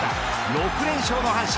６連勝の阪神。